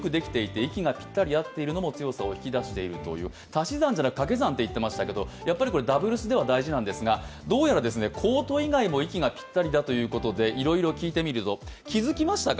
足し算じゃなく、かけ算と言っていましたけどダブルスでは大事なんですがどうやらコート以外でも息がぴったりだということでいろいろ聞いてみると気づきましたか？